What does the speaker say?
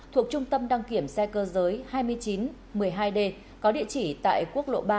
thuộc trung tâm đăng kiểm xe cơ giới hai nghìn chín trăm một mươi hai d có địa chỉ tại quốc lộ ba